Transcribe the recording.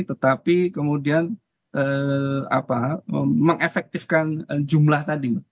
tetapi kemudian mengefektifkan jumlah tadi